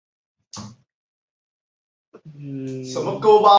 凹刺足蛛为光盔蛛科刺足蛛属的动物。